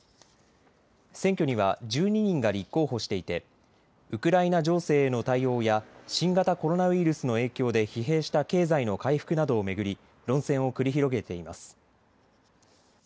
選挙には１２人が立候補していてウクライナ情勢への対応や新型コロナウイルスの影響で疲弊した経済の回復などを巡り論戦を繰り広げています。